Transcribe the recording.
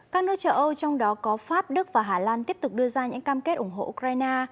các nước châu âu trong đó có pháp đức và hà lan tiếp tục đưa ra những cam kết ủng hộ ukraine